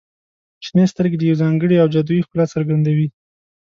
• شنې سترګې د یو ځانګړي او جادويي ښکلا څرګندوي.